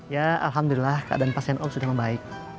ya alhamdulillah keadaan pasien om sudah membaik